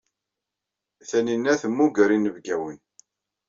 Tanina temmuger inebgawen.